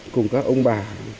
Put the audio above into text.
cùng các ông bà